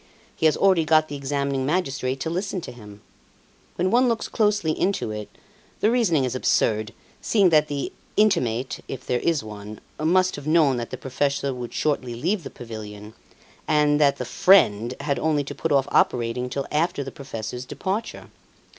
He has already got the examining magistrate to listen to him. When one looks closely into it, the reasoning is absurd, seeing that the 'intimate' if there is one must have known that the professor would shortly leave the pavilion, and that the 'friend' had only to put off operating till after the professor's departure.